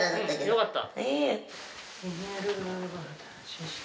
よかった！